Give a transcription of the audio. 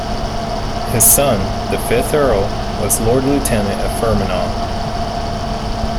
His son, the fifth Earl, was Lord Lieutenant of Fermanagh.